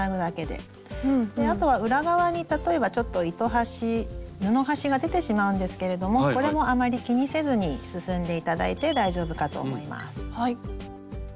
であとは裏側に例えばちょっと糸端布端が出てしまうんですけれどもこれもあまり気にせずに進んで頂いて大丈夫かと思います。